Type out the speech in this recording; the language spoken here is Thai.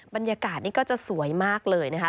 บรรยากาศนี่ก็จะสวยมากเลยนะคะ